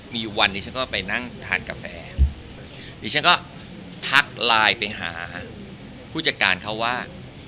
มีวันนี้ฉันก็ไปนั่งทานกาแฟดิฉันก็ทักไลน์ไปหาผู้จัดการเขาว่า